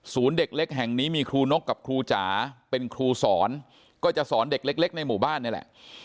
เด็กเล็กแห่งนี้มีครูนกกับครูจ๋าเป็นครูสอนก็จะสอนเด็กเล็กในหมู่บ้านนี่แหละ